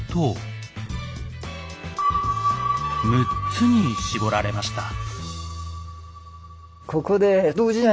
６つに絞られました。